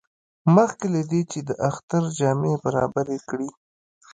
مخکې له دې چې د اختر جامې برابرې کړي.